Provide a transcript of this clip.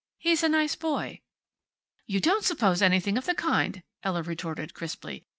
He's a nice boy." "You don't suppose anything of the kind," Ella retorted, crisply.